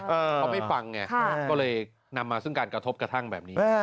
เขาไม่ฟังไงก็เลยนำมาซึ่งการกระทบกระทั่งแบบนี้